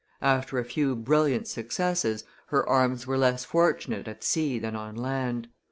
After a few brilliant successes, her arms were less fortunate at sea than on land.